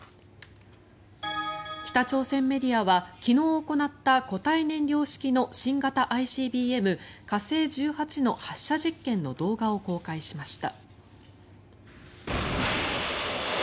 北朝鮮メディアは昨日行った固体燃料式の新型ＩＣＢＭ、火星１８の発射実験の動画を公開しました。